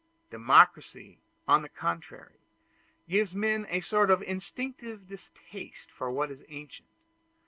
Democracy, on the contrary, gives men a sort of instinctive distaste for what is ancient.